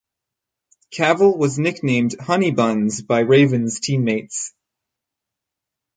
Cavil was nicknamed "Honey Buns" by Ravens teammates.